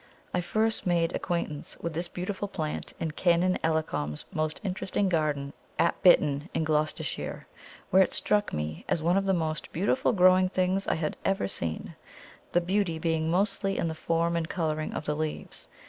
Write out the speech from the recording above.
I first made acquaintance with this beautiful plant in Canon Ellacombe's most interesting garden at Bitton, in Gloucestershire, where it struck me as one of the most beautiful growing things I had ever seen, the beauty being mostly in the form and colouring of the leaves.